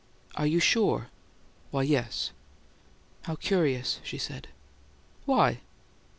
"Are you sure?" "Why, yes." "How curious!" she said. "Why?"